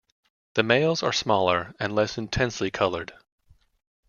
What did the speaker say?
The males are smaller and less intensely colored.